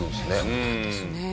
そうなんですね。